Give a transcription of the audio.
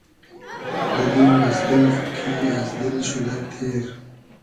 بوگیم از دیل خو کی از دیل شودۂ تېر